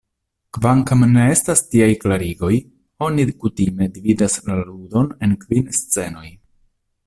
Kvankam ne estas tiaj klarigoj oni kutime dividas la ludon en kvin scenoj.